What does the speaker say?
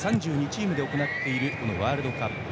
３２チームで行っているワールドカップ。